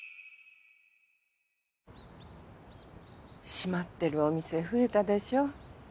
閉まってるお店増えたでしょ？